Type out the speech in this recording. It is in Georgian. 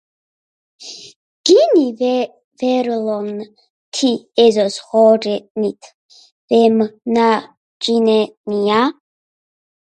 გინი ვენორენ თი ეზოს ღორონთ ვემნაჯინენია